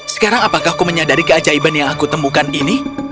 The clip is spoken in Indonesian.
sekarang apakah aku menyadari keajaiban yang aku temukan ini